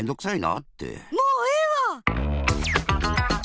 もうええわ！